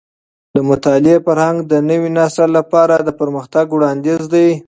د مطالعې فرهنګ د نوي نسل لپاره د پرمختګ وړاندیز دی.